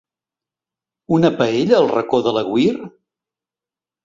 Una paella al Racó de l'Agüir?